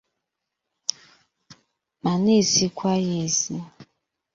ma na-esikwa ya esi.